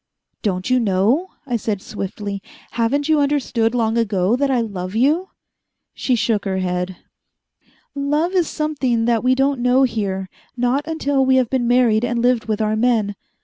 "Don't you know?" I said swiftly. "Haven't you understood long ago that I love you?" She shook her head. "Love is something that we don't know here not until we have been married and lived with our men.